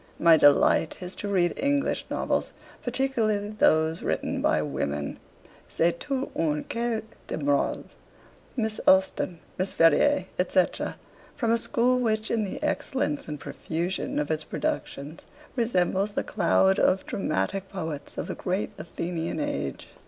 My delight is to read English novels, particularly those written by women. "C'est toute une ecole de morale." Miss Austen, Miss Ferrier, &c., form a school which in the excellence and profusion of its productions resembles the cloud of dramatic poets of the great Athenian age.'